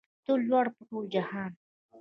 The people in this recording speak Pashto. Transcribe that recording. ته لوړ په ټول جهان